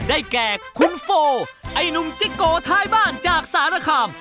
ได้แก่คุณโฟไอ้หนุ่มจิ๊กโกท้ายบ้านจากสารคาม